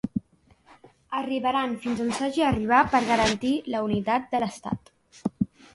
Arribaran fins on s’hagi d’arribar per garantir la unitat de l’estat.